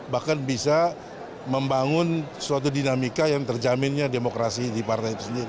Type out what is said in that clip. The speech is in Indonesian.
bahkan bisa membangun suatu dinamika yang terjaminnya demokrasi di partai itu sendiri